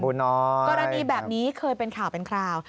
กรณีแบบนี้เคยเป็นข่าวเป็นคราว